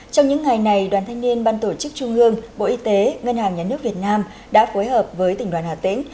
trong những ngày này đoàn thanh niên ban tổ chức trung ương bộ y tế ngân hàng nhà nước việt nam đã phối hợp với tỉnh đoàn hà tĩnh